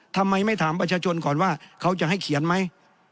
ทำไมไม่ถามประชาชนก่อนว่าเขาจะให้เขียนไหม